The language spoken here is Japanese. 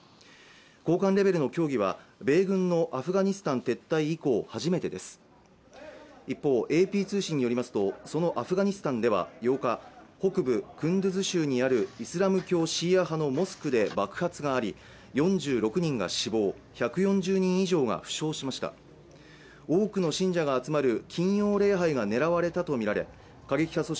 高官レベルの協議は米軍のアフガニスタン撤退以降初めてです一方ＡＰ通信によりますとそのアフガニスタンでは８日、北部クンドゥズ州にあるイスラム教シーア派のモスクで爆発があり４６人が死亡１４０人以上が負傷しました多くの信者が集まる金曜礼拝が狙われたと見られ過激派組織